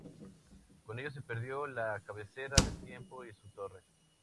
Con ello se perdió la cabecera del templo y su torre.